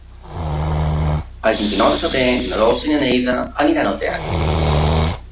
El vint-i-nou de febrer na Dolça i na Neida aniran al teatre.